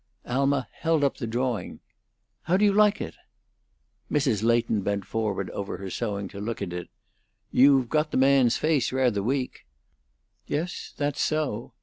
Alma held up the drawing. "How do you like it?" Mrs. Leighton bent forward over her sewing to look at it. "You've got the man's face rather weak." "Yes, that's so.